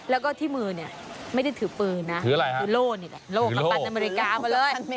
แล้วก็ที่มือเนี่ยไม่ได้ถือปืนนะคือโล่นี่แหละโลกกัปตันอเมริกามาเลย